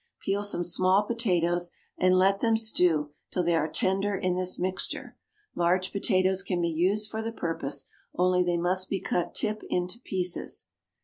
Peel some small potatoes and let them stew till they are tender in this mixture. Large potatoes can be used for the purpose, only they must be cut tip into pieces.